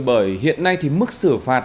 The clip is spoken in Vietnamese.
bởi hiện nay thì mức xử phạt